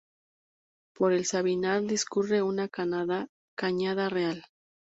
Por el Sabinar discurre una cañada real.